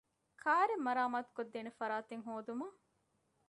ކާރެއް މަރާމާތުކޮށްދޭނެ ފަރާތެއް ހޯދުމަށް